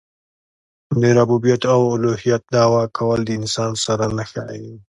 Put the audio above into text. د ربوبیت او اولوهیت دعوه کول د انسان سره نه ښايي.